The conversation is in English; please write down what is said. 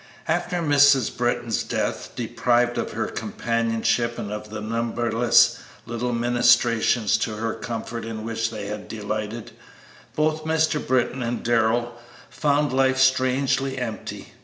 After Mrs. Britton's death, deprived of her companionship and of the numberless little ministrations to her comfort in which they had delighted, both Mr. Britton and Darrell found life strangely empty.